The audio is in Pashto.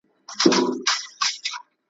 او مېر من یې وه له رنګه ډېره ښکلې ,